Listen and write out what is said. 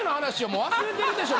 もう忘れてるでしょ